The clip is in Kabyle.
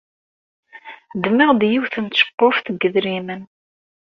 Ddmeɣ-d yiwet n tceqquft n yedrimen.